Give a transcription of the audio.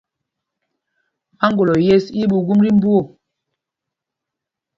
Maŋgolo yes í í ɓuu gum tí mbú o.